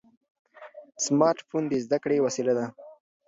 سمارټ فون د زده کړې وسیله ده.